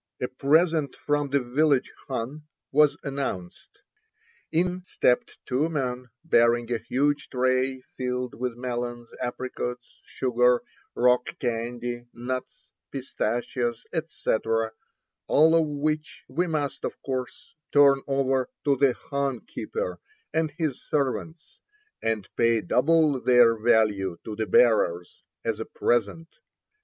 A present from the village khan was announced. In stepped two men bearing a huge tray filled with melons, apricots, sugar, rock candy, nuts, pistachios, etc., all of which we must, of course, turn over to the khan keeper and his servants, and pay double their value to the bearers, as a present.